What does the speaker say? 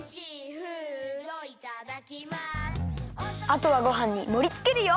あとはごはんにもりつけるよ！